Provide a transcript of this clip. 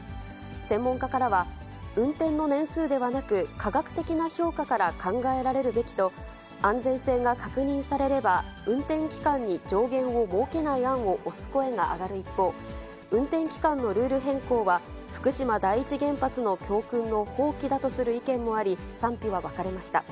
専門家からは、運転の年数ではなく、科学的な評価から考えられるべきと、安全性が確認されれば、運転期間に上限を設けない案を推す声が上がる一方、運転期間のルール変更は、福島第一原発の教訓の放棄だとする意見もあり、賛否は分かれました。